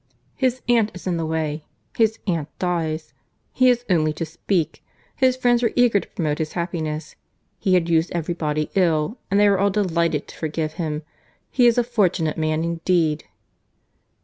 —His aunt is in the way.—His aunt dies.—He has only to speak.—His friends are eager to promote his happiness.—He had used every body ill—and they are all delighted to forgive him.—He is a fortunate man indeed!"